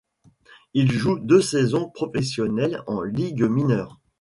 Il joue deux saisons professionnelles en ligues mineures.